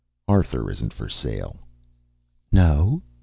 "Arthur isn't for sale." "No?"